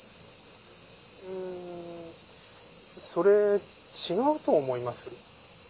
うーんそれ違うと思います。